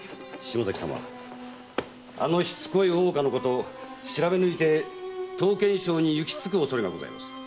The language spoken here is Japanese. あのしつこい大岡のこと調べ抜いて刀剣商に行き着く恐れがございます。